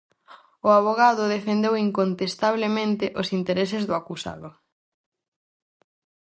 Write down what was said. O avogado defendeu incontestablemente os intereses do acusado.